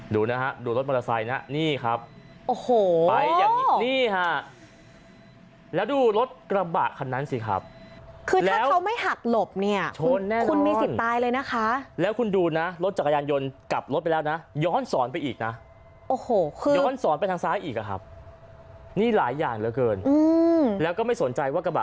ดูนะฮะดูรถมอเตอร์ไซน์นะนี่ครับ